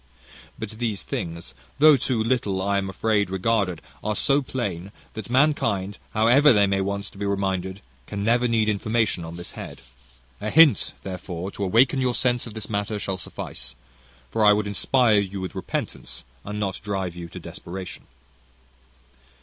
"But these things, though too little, I am afraid, regarded, are so plain, that mankind, however they may want to be reminded, can never need information on this head. A hint, therefore, to awaken your sense of this matter, shall suffice; for I would inspire you with repentance, and not drive you to desperation.